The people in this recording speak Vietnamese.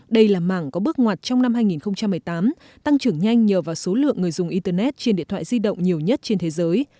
đây là mảng có bước ngoặt trong năm hai nghìn một mươi tám tăng trưởng nhanh nhờ vào số lượng người dùng internet trên điện thoại di động nhiều nhất trên thế giới